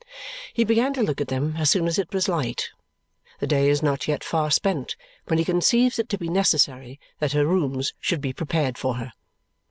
He began to look at them as soon as it was light. The day is not yet far spent when he conceives it to be necessary that her rooms should be prepared for her.